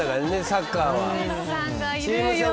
サッカーは。